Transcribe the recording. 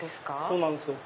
そうなんですよ。